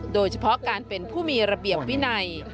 โดยเฉพาะการเป็นผู้มีระเบียบวินัย